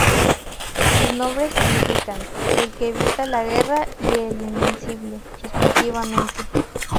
Sus nombres significan "el que evita la guerra" y "el invencible" respectivamente.